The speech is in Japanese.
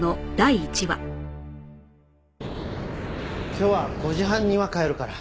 今日は５時半には帰るから。